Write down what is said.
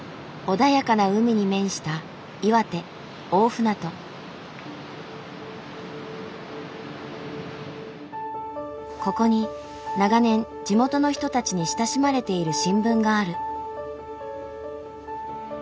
穏やかな海に面したここに長年地元の人たちに親しまれている新聞がある。